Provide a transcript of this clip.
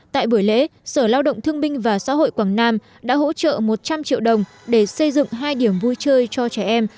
tại buổi lễ sở lao động thương minh và xã hội quảng nam đã hỗ trợ một trăm linh triệu đồng để xây dựng hai điểm vui chơi cho trẻ em